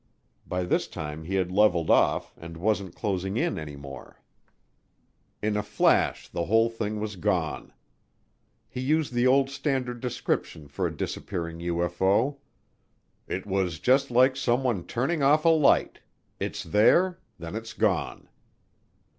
By this time he had leveled off and wasn't closing in any more. In a flash the whole thing was gone. He used the old standard description for a disappearing UFO: "It was just like someone turning off a light it's there, then it's gone."